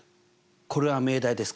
これは命題ですか？